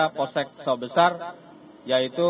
posek sawah besar yaitu